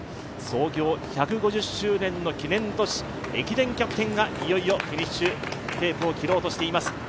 創業１５０周年の記念年、駅伝キャプテンがいよいよフィニッシュテープを切ろうとしています。